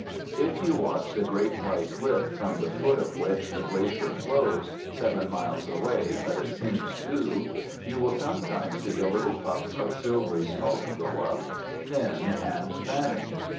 If you watch the great white cliff, from the foot of which the glacier flows seven miles away, but it seems two you will sometimes see a little puff of silvery smoke go up, thin, and vanish.